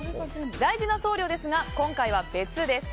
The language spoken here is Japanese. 大事な送料ですが今回は別です。